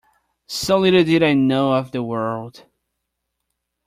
So little did I know of the world!